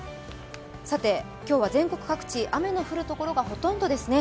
さて、今日は全国各地雨の降るところがほとんどですね。